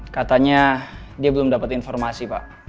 katanya dia belum dapat informasi pak